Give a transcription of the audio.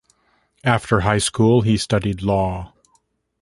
After high school he studied law.